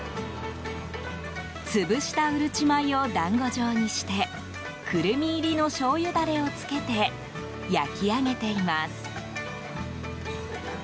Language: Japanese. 潰したうるち米を団子状にしてクルミ入りのしょうゆダレを付けて焼き上げています。